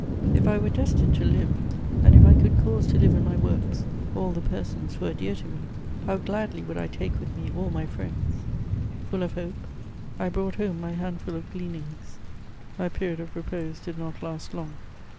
If I were destined to live, and if I could cause to live in my works all the persons who are dear to me, how gladly would I take with me all my friends! Full of hope, I brought home my handful of gleanings my period of repose did not last long.